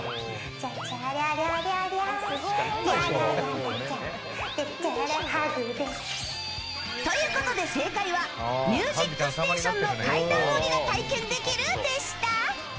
ちゃりゃちゃらハグです！ということで正解は「ミュージックステーション」の階段降りが体験できるでした。